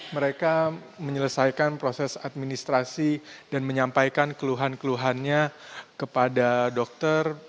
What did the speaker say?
mereka menyelesaikan proses administrasi dan menyampaikan keluhan keluhannya kepada dokter